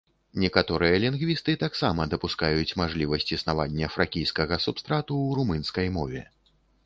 Некаторыя лінгвісты таксама дапускаюць мажлівасць існавання фракійскага субстрату ў румынскай мове.